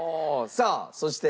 さあそして。